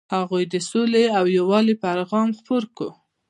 هغوی د سولې او یووالي پیغام خپور کړ.